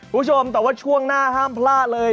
ก็ว่าช่วงหน้าห้ามพละเลย